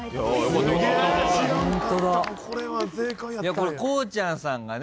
これこうちゃんさんがね